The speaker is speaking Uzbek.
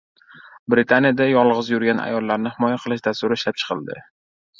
Britaniyada yolg‘iz yurgan ayollarni himoya qilish dasturi ishlab chiqildi